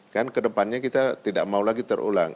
kan kedepannya kita tidak mau lagi terulang